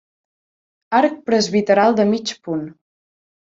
Arc presbiteral de mig punt.